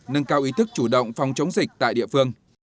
nâng cao ý thức chủ động phòng chống dịch tại địa phương